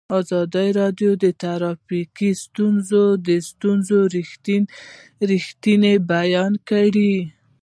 ازادي راډیو د ټرافیکي ستونزې د ستونزو رېښه بیان کړې.